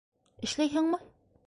Эшләйһеңме?